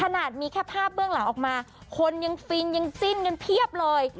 แล้วภาพเบื้องหลักออกมาคนยังฟินยังจิ้นยังเพียบเลย